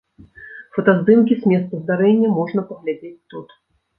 Фотаздымкі з месца здарэння можна паглядзець тут.